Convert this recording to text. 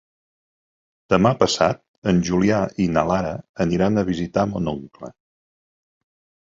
Demà passat en Julià i na Lara aniran a visitar mon oncle.